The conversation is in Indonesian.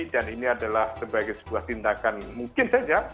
dan ini adalah sebagai sebuah tindakan mungkin saja